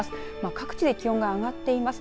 各地で気温が上がっています。